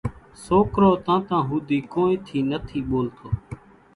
سوڪرو تانتان ھوڌي ڪونئين ٿي نٿي ٻولتو